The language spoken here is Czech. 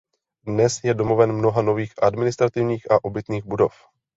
Dnes je domovem mnoha nových administrativních a obytných budov.